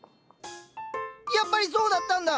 やっぱりそうだったんだ。